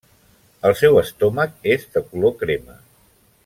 El seu estómac és de color crema.